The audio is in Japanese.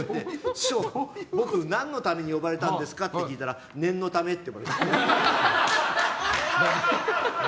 僕は何のために呼ばれたんですかって聞いたら念のためって。